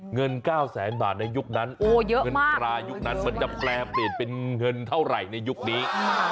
เงิน๙๐๐๐๐๐บาทในยุคนั้นเงินพระมันจะเปลี่ยนเป็นเงินเท่าไรในยุคนี้